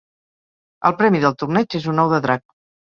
El premi del torneig és un ou de drac.